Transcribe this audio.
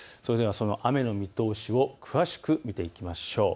その雨の見通しを詳しく見ていきましょう。